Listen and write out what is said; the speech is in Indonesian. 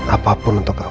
apapun untuk kamu